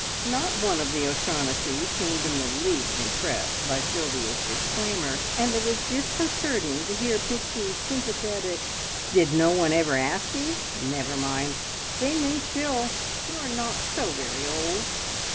Not one of the O'Shaughnessys seemed in the least impressed by Sylvia's disclaimer, and it was disconcerting to hear Pixie's sympathetic, "Did no one ever ask ye? Never mind! They may still. You are not so very old!"